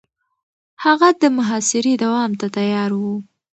هغه د محاصرې دوام ته تيار و.